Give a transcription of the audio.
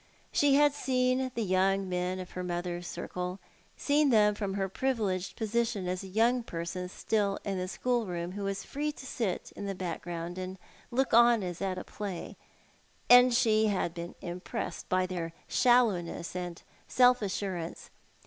She had seen the young men of her mother's circle, seen them from her privileged position as a young person still in the schoolroom, who was free to sit in the background, and look on as at a play ; and she had been im pressed by their shallowness and self assurance.